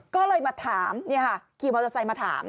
ก็เลยมาถามเนี่ยค่ะขี่มอเตอร์ไซส์มาถาม